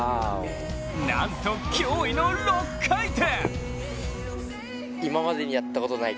なんと、驚異の６回転！